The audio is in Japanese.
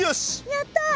やった！